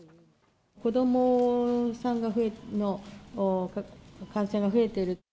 子どもさんの感染が増えている。